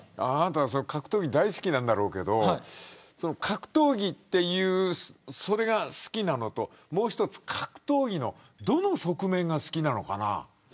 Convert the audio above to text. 格闘技が大好きなんだろうけど格闘技という、それが好きなのともう一つ格闘技のどの側面が好きなのかな